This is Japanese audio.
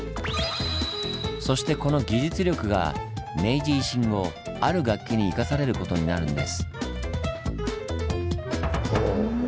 そしてこの技術力が明治維新後ある楽器に生かされることになるんです。